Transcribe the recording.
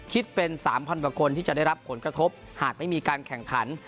คิดเป็น๓๐๐กว่าคนที่จะได้รับผลกระทบหากไม่มีการแข่งขัน